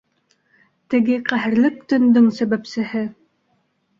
Теге ҡәһәрле төндөң сәбәпсеһе.